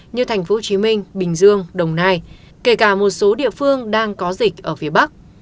như thành phố hồ chí minh bình dương đồng nai kể cả một số địa phương đang có dịch ở phía bắc